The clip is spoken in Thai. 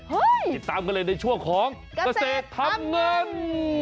ติดตามกันเลยในช่วงของเกษตรทำเงิน